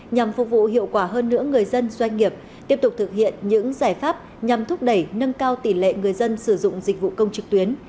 nhằm phục vụ hiệu quả hơn nữa người dân doanh nghiệp tiếp tục thực hiện những giải pháp nhằm thúc đẩy nâng cao tỷ lệ người dân sử dụng dịch vụ công trực tuyến